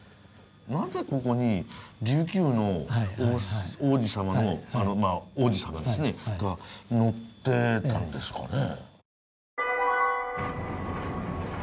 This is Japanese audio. なぜここに琉球の王子様の王子様ですねが乗ってたんですかね？